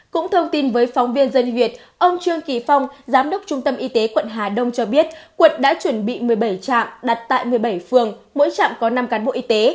cũng thông tin với phóng viên dân việt ông trương kỳ phong giám đốc trung tâm y tế quận hà đông cho biết quận đã chuẩn bị một mươi bảy trạm đặt tại một mươi bảy phường mỗi trạm có năm cán bộ y tế